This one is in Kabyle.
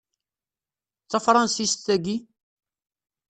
D tafṛansist tagi?